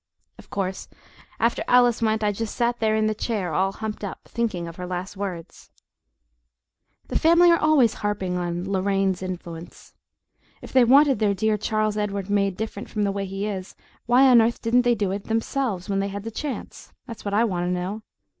Of course, after Alice went, I just sat there in the chair all humped up, thinking of her last words. The family are always harping on "Lorraine's influence." If they wanted their dear Charles Edward made different from the way he is, why on earth didn't they do it themselves, when they had the chance? That's what I want to know!